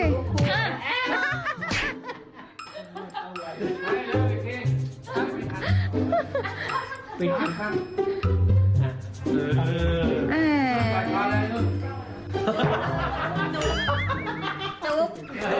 จุ๊บ